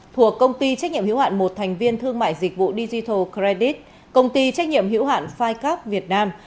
thuộc công ty trách nhiệm hiểu hạn một thành viên thương mại dịch vụ digital credit công ty trách nhiệm hiểu hạn năm cap việt nam